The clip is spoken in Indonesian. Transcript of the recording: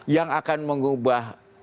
yang akan mengubah